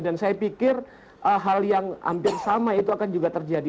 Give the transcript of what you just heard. dan saya pikir hal yang hampir sama itu akan juga terjadi